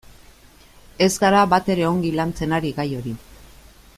Ez gara batere ongi lantzen ari gai hori.